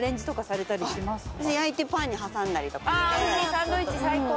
サンドイッチ最高。